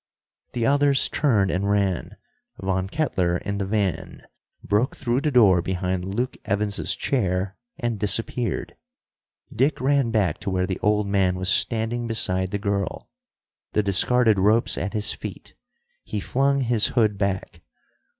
The others turned and ran. Von Kettler in the van, broke through the door behind Luke Evans's chair, and disappeared. Dick ran back to where the old man was standing beside the girl, the discarded ropes at his feet. He flung his hood back.